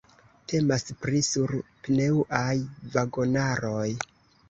Temas pri sur-pneŭaj vagonaroj.